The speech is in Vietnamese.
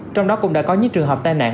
trong đó cũng đã có những trường hợp tai nạn